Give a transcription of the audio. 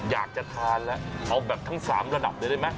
อยากจะทานแล้วเอาแบบทั้ง๓ระดับเลยได้ไหม